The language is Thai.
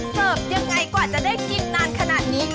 ยังไงกว่าจะได้กินนานขนาดนี้